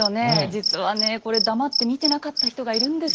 実はねこれ黙って見てなかった人がいるんですよ。